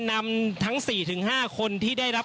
บริหารงานขางนะครับ